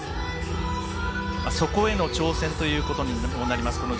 そこへの挑戦ということにもなります。